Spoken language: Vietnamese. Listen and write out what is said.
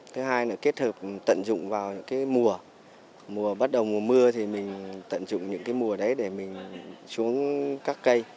thứ hai là kết hợp tận dụng vào những mùa bắt đầu mùa mưa thì mình tận dụng những cái mùa đấy để mình xuống các cây